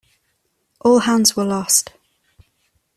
All hands were lost.